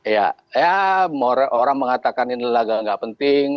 ya orang mengatakan ini agak tidak penting